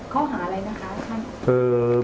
ข้อหาอะไรนะคะ